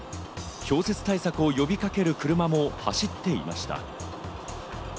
氷雪対策を呼びかける車も走っていました。